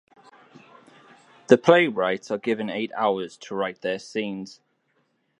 The playwrights are given eight hours to write their scenes.